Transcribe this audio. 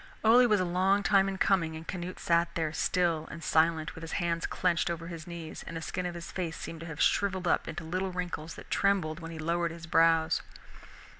Ole was a long time in coming, and Canute sat there, still and silent, with his hands clenched on his knees, and the skin of his face seemed to have shriveled up into little wrinkles that trembled when he lowered his brows.